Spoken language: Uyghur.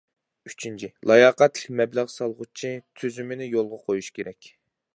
ئۈچىنچى، لاياقەتلىك مەبلەغ سالغۇچى تۈزۈمىنى يولغا قويۇش كېرەك.